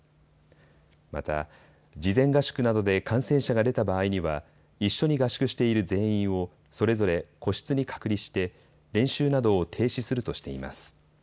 また、事前合宿などで感染者が出た場合には一緒に合宿している全員をそれぞれ個室に隔離して練習などを停止するとしています。